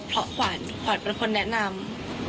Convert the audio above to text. เพราะขวัญขวัญเป็นคนแนะนำ